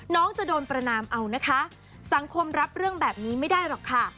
จะโดนประนามเอานะคะสังคมรับเรื่องแบบนี้ไม่ได้หรอกค่ะ